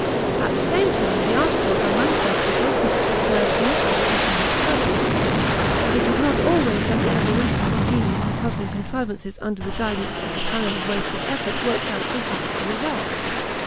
At the same time the articles are manifestly ill fitted to serve any other economic purpose. But it is not always that the evolution of ingenious and puzzling contrivances under the guidance of the canon of wasted effort works out so happy a result.